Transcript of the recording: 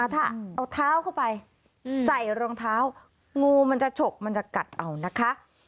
ถ้าเอาเท้าเข้าไปใส่รองเท้างูมันจะฉกมันจะกัดเอานะคะ